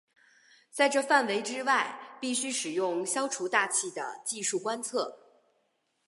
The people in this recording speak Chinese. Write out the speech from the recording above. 在这范围之外必须使用消除大气的技术观测。